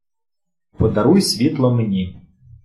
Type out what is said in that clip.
Подаруй світло мені...